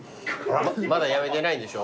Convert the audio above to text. まだやめてないんでしょ？